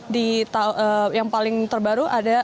di yang paling terbaru ada